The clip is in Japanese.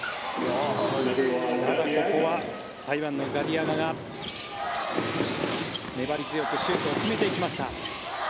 ここは台湾のガディアガが粘り強くシュートを決めていきました。